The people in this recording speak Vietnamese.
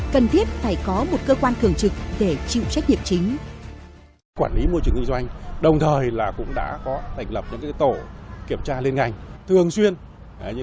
cần thiết phải có một cơ quan thường trực để chịu trách nhiệm chính